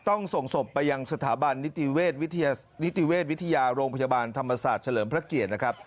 ส่งศพไปยังสถาบันนิติเวชนิติเวชวิทยาโรงพยาบาลธรรมศาสตร์เฉลิมพระเกียรตินะครับ